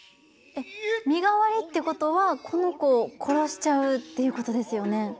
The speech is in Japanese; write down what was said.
えっ身代わりってことはこの子を殺しちゃうっていうことですよね。